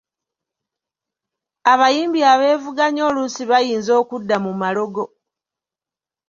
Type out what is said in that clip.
Abayimbi abeevuganya oluusi bayinza okudda mu malogo.